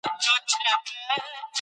خلک ژبه کاروي.